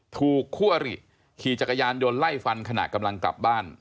คู่อริขี่จักรยานยนต์ไล่ฟันขณะกำลังกลับบ้าน